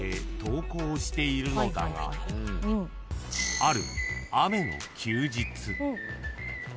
［ある］